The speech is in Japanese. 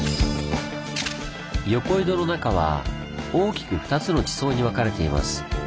横井戸の中は大きく２つの地層に分かれています。